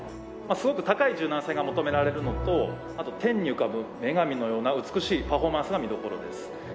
すごく高い柔軟性が求められるのとあと天に浮かぶ女神のような美しいパフォーマンスが見どころです。